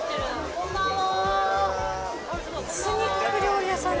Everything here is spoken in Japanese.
こんばんは。